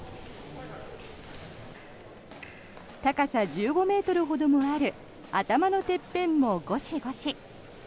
高さ１５ｍほどもある頭のてっぺんもごしごし。